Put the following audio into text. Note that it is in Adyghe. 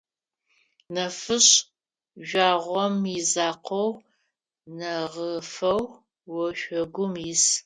Нэфышъ жъуагъом изакъоу, нэгъыфэу ошъогум ис.